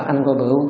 anh của bữa